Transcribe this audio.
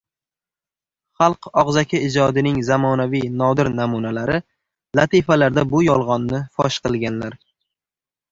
Xalq og‘zaki ijodining zamonaviy nodir namunalari— latifalarda bu yolg‘onni fosh qilganlar.